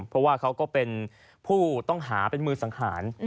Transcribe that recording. เพราะว่าเขาก็เป็นผู้ต้องหาเป็นมือสังหาร